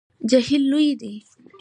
جهیل لوی دی